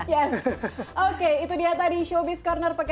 yes oke itu dia tadi showbiz corner pekan ini